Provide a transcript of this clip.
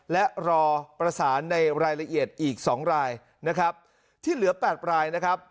และรอประสานในรายละเอียดอีกสองรายนะครับที่เหลือแปดรายนะครับ